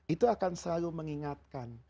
itu akan selalu mengingatkan